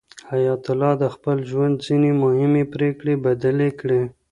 حیات الله د خپل ژوند ځینې مهمې پرېکړې بدلې کړې.